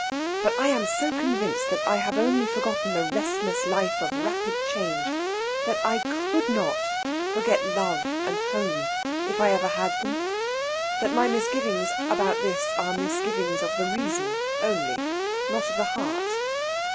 But I am so convinced that I have only forgotten a restless life of rapid change that I could not forget love and home, if I ever had them that my misgivings about this are misgivings of the reason only, not of the heart.